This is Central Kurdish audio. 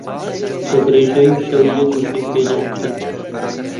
بە درێژایی شەو یەک وشەی پێ نەگوتم.